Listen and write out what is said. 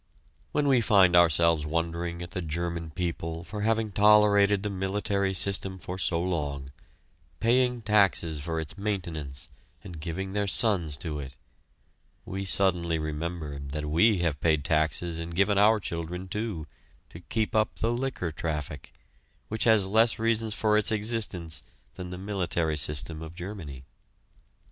When we find ourselves wondering at the German people for having tolerated the military system for so long, paying taxes for its maintenance and giving their sons to it, we suddenly remember that we have paid taxes and given our children, too, to keep up the liquor traffic, which has less reasons for its existence than the military system of Germany.